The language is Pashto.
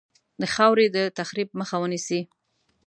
د خاورې د تخریب مخه ونیسي.